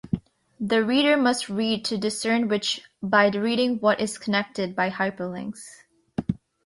The reader must read to discern which by reading what is connected by hyperlinks.